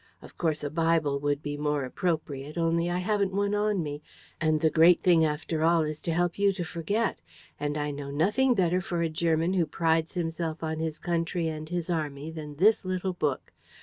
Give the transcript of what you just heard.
Of course, a Bible would be more appropriate; only I haven't one on me. And the great thing, after all, is to help you to forget; and I know nothing better for a German who prides himself on his country and his army than this little book.